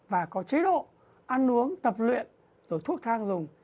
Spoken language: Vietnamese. và có chế độ ăn uống tập luyện rồi thuốc thang dùng